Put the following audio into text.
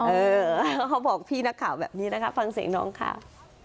เขาบอกพี่นักข่าวแบบนี้นะคะฟังเสียงน้องค่ะ